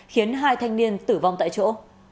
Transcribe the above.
khiến hai thanh niên tử vong tại chỗ